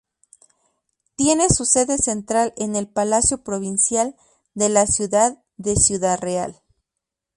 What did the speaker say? Tiene su sede central en el Palacio Provincial de la ciudad de Ciudad Real.